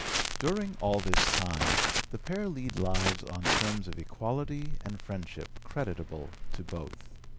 During all this time the pair lead lives on terms of equality and friendship creditable to both.